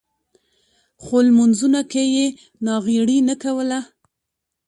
خو لمونځونو کې یې ناغېړي نه کوله.